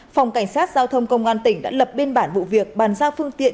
phòng cảnh sát giao thông công an tỉnh đã lập biên bản vụ việc bàn giao phương tiện